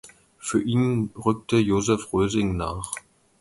Für ihn rückte Josef Rösing nach.